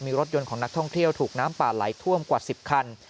มีรถยนต์ของนักท่องเที่ยวถูกน้ำป่าไหลท่วมกว่า๑๐คัน